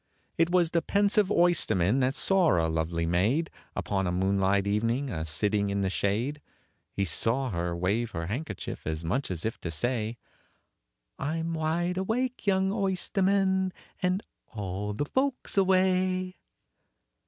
It was the pensive oysterman that saw a lovely maid, Upon a moonlight evening, a sitting in the shade; He saw her wave her handkerchief, as much as if to say, "I 'm wide awake, young oysterman, and all the folks away."